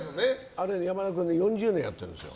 あれ、山田君４０年やってるんですよ。